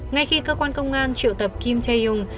ngay khi cơ quan công an triệu tập kim chay yong